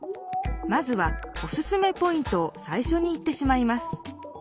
まずはおすすめポイントをさいしょに言ってしまいます